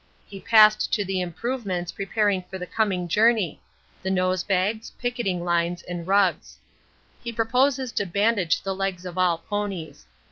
He passed to the improvements preparing for the coming journey the nose bags, picketing lines, and rugs. He proposes to bandage the legs of all ponies.